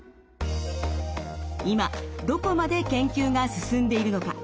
今どこまで研究が進んでいるのか。